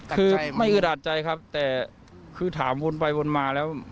คือไม่อือดาดใจครับแต่คือถามวนไปวนมาแล้ว